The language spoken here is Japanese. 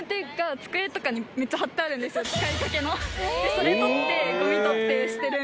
それ取って。